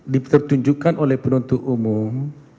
diterjunjukkan oleh penuntut umum